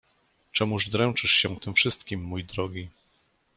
— Czemuż dręczysz się tym wszystkim, mój drogi?